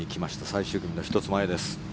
最終組の１つ前です。